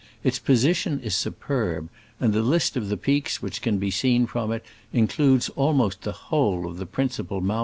Its posi tion is superb, and the list of the peaks which can be seen from it includes al most the whole of the principal mo.